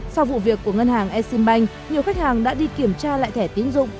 sau vụ việc của ngân hàng exim bank nhiều khách hàng đã đi kiểm tra lại thẻ tín dụng